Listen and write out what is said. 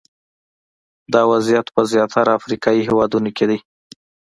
دا وضعیت په زیاتره افریقایي هېوادونو کې دی.